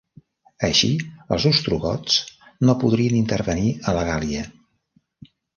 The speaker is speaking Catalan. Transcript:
Així, els ostrogots no podrien intervenir a la Gàl·lia.